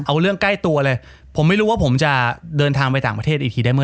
เอาเรื่องใกล้ตัวเลยผมไม่รู้ว่าผมจะเดินทางไปต่างประเทศอีกทีได้ไหม